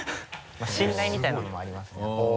まぁ信頼みたいなのもありますね。